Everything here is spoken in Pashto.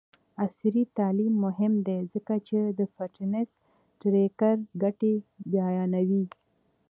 عصري تعلیم مهم دی ځکه چې د فټنس ټریکر ګټې بیانوي.